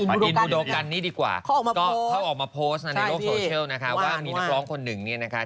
อินอนุดุกันนี้ดีกว่าเขาก็ออกมาโพสต์ในโลกโซเชียลนะคะมีนักร้องคนนึงนะครับ